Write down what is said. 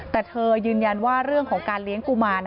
แต่เธอยืนยันว่าเรื่องของการเลี้ยงกุมาร